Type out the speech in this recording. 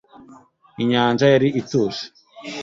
inyanja yari ituje